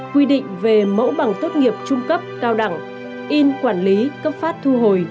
quy định về mẫu bằng tốt nghiệp trung cấp cao đẳng in quản lý cấp phát thu hồi